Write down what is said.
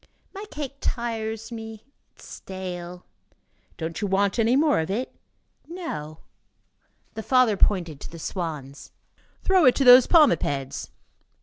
"My cake tires me. It is stale." "Don't you want any more of it?" "No." The father pointed to the swans. "Throw it to those palmipeds."